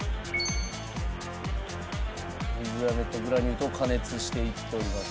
水飴とグラニュー糖を加熱していっております。